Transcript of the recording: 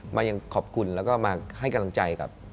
มายังขอบคุณแล้วก็มาให้กำลังใจกับ